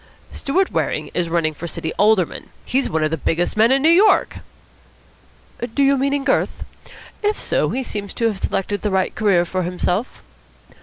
"Stewart Waring is running for City Alderman. He's one of the biggest men in New York!" "Do you mean in girth? If so, he seems to have selected the right career for himself."